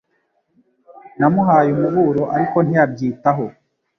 Namuhaye umuburo, ariko ntiyabyitaho.